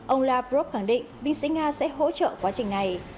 ông lavrov khẳng định binh sĩ nga sẽ hỗ trợ quá trình này